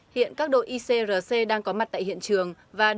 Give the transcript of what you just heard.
hiện các đội icrc đang có mặt tại hiệp thống của các quốc tế